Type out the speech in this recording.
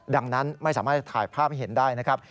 ดังนั้นไม่สามารถถ่ายภาพให้เห็นได้นะครับ